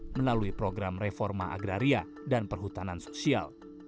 melalui program reforma agraria dan perhutanan sosial